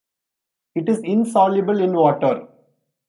It is insoluble in water.